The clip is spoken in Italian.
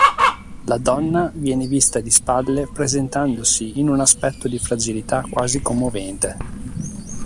La donna viene vista di spalle presentandosi in un aspetto di fragilità quasi commovente.